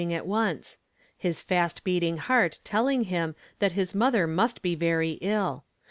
^r ^t onee ; his fust beating heart telhng lij.n timt his mother must be very ill.